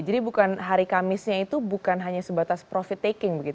jadi hari kamisnya itu bukan hanya sebatas profit taking begitu ya